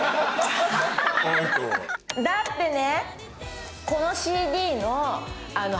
だってね。